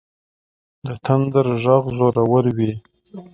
د تندر غږ زورور وي.